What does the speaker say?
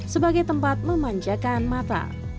sebagai tempat memanjakan mata